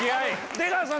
出川さん